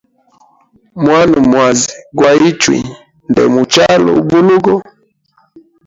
Mwana mwazi gwa ichwi nde muchala ubulugo.